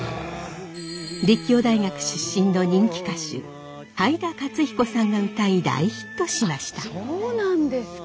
立教大学出身の人気歌手灰田勝彦さんが歌い大ヒットしました。